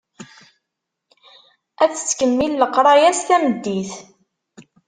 Ad tettkemmil leqraya-s tameddit.